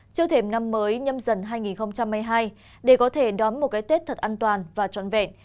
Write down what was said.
trước thêm năm mới nhâm dần hai nghìn hai mươi hai để có thể đón một cái tết thật an toàn và trọn vẹn